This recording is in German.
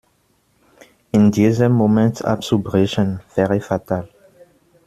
In diesem Moment abzubrechen, wäre fatal.